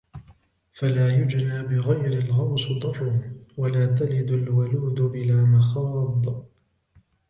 فلا يُجنَى بغيرِ الغوصِ درٌّ...ولا تلِدُ الوَلودُ بلا مخاضِ